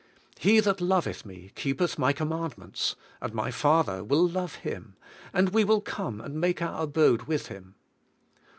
He that loveth me keepeth my commandments; and my 70 THE KINGDOM FIRST Father will love him, and we will come and make our abode with him."